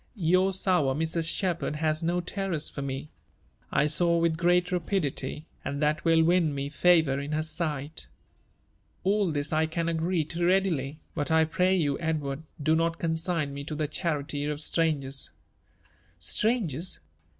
Your sour Mrs. Shepherd has no terrors for me. I sew with great rapidity ; and that will win me fa Toiir in her sight. All this I can agree to readily : but I pray you, Edward, do not consign me to the charity of strangers.' •'^ Strangers